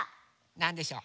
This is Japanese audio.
なんでしょう？